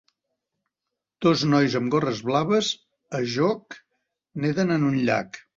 Dos nois amb gorres blaves a joc neden en un llac.